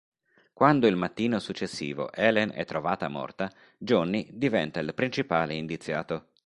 Quando il mattino successivo Helen è trovata morta, Johnny diventa il principale indiziato.